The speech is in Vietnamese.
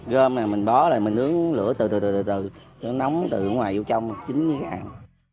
gơm này mình bó rồi mình nướng lửa từ từ từ từ nó nóng từ ngoài vô trong chín như cái ăn